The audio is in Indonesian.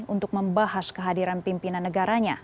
untuk membahas kehadiran pimpinan negaranya